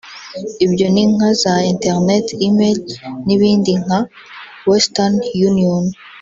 Ibyo ni nka za internet (E-mail) n’ibindi nka Western Union